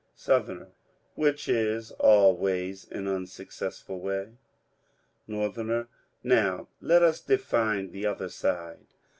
Sou. — Which is always an unsuccessful way. Nor. — Now let us define the other side.